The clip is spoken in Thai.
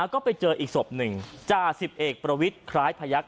ก็ไปเจออีกศพหนึ่งจ่าสิบเอกประวิทย์คล้ายพยักษ